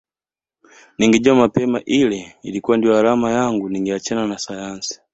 Ningejua mapema ile ilikuwa ndiyo alama yangu ningeachana na sayansi